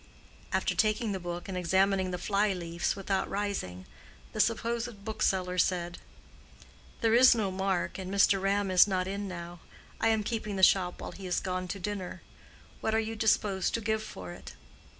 After taking the book and examining the fly leaves without rising, the supposed bookseller said, "There is no mark, and Mr. Ram is not in now. I am keeping the shop while he is gone to dinner. What are you disposed to give for it?"